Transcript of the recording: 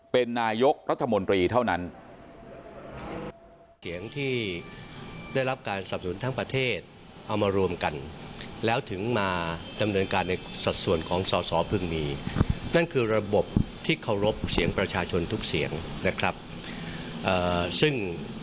เป็นนายกรัฐมนตรีเท่านั้น